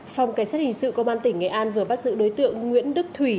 phòng cảnh sát hình sự công an tỉnh nghệ an vừa bắt giữ đối tượng nguyễn đức thủy